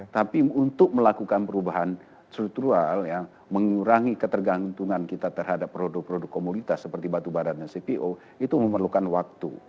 tapi untuk melakukan perubahan struktural mengurangi ketergantungan kita terhadap produk produk komoditas seperti batubara dan cpo itu memerlukan waktu